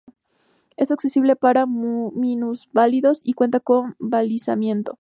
Es accesible para minusválidos y cuenta con balizamiento.